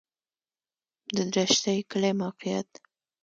د دشټي کلی موقعیت